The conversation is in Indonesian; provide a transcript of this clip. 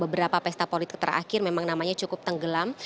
beberapa pesta politik terakhir memang namanya cukup tenggelam